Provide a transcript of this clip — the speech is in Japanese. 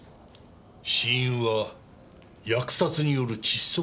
死因は扼殺による窒息死。